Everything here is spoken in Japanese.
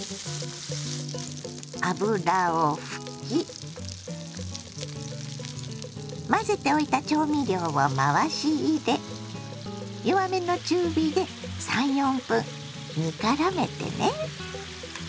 油を拭き混ぜておいた調味料を回し入れ弱めの中火で３４分煮からめてね。